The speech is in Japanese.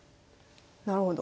なるほど。